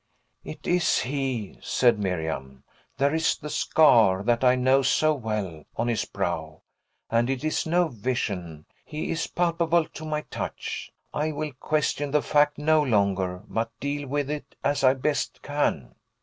"It is he," said Miriam. "There is the scar, that I know so well, on his brow. And it is no vision; he is palpable to my touch! I will question the fact no longer, but deal with it as I best can."